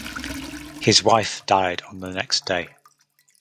His wife died on the next day.